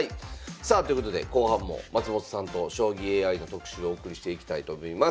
さあということで後半も松本さんと将棋ＡＩの特集をお送りしていきたいと思います。